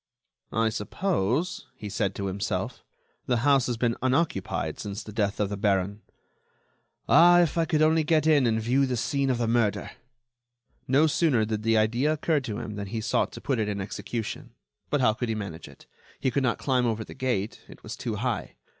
"I suppose," he said to himself, "the house has been unoccupied since the death of the baron.... Ah! if I could only get in and view the scene of the murder!" No sooner did the idea occur to him than he sought to put it in execution. But how could he manage it? He could not climb over the gate; it was too high.